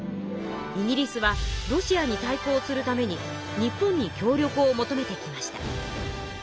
イギリスはロシアに対抗するために日本に協力を求めてきました。